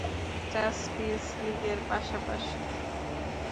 Justice লীগের পাশাপাশি।